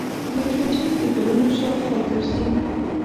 مچمچۍ د ګلونو شاوخوا ګرځي